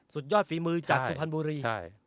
สุดยอดฝีมือจากสุพรรณบุรี